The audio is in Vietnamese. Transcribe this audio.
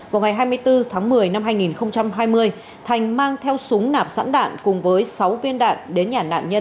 vào ngày hai mươi bốn tháng một mươi năm hai nghìn hai mươi thành mang theo súng nạp sẵn đạn cùng với sáu viên đạn đến nhà nạn nhân